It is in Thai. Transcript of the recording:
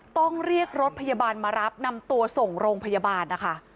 ต้องเรียกรถพยาบาลมารับนำตัวส่งโรงพยาบาลนะคะ